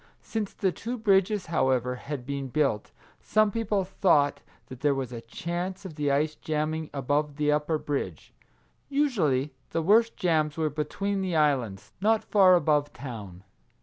Since the two bridges, however, had been built, some people thought that there was a chance of the ice jamming above the upper bridge. Usually the worst jams were between the islands, not far above town.